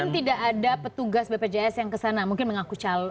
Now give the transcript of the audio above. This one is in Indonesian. mungkin tidak ada petugas bpjs yang ke sana mungkin menganggap